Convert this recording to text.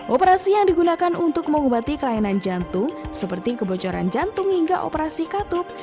operasi yang digunakan untuk mengobati kelainan jantung seperti kebocoran jantung hingga operasi katuk